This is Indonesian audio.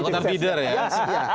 angkutan leader ya